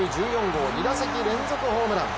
１４号２打席連続ホームラン。